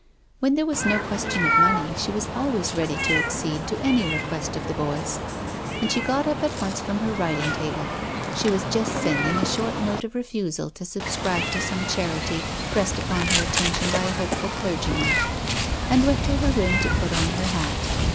When there was no question of money she was always ready to accede to any request of the boy's, and she got up at once from her writing table — she was just sending a short note of refusal to subscribe to some charity pressed upon her attention by a hopeful clergy man — and went to her room to put on her hat.